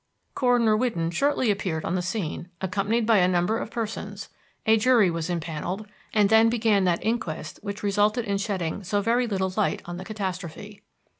Coroner Whidden shortly appeared on the scene, accompanied by a number of persons; a jury was impaneled, and then began that inquest which resulted in shedding so very little light on the catastrophe.